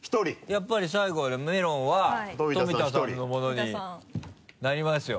やっぱり最後メロンは富田さんのものになりますよ。